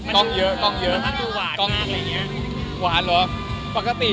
กล้องเยอะมันต้องดูหวานมากเป็นแบบนี้